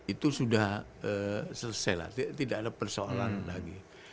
itu sudah selesai lah tidak ada persoalan lagi